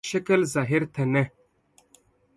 شکل ظاهر ته نه.